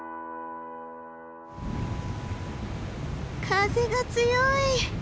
風が強い。